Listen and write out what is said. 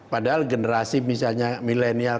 padahal generasi misalnya milenial